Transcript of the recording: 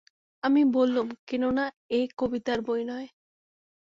আমি বললুম, কেননা এ কবিতার বই নয়।